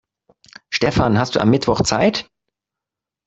Stefan, hast du am Mittwoch Zeit?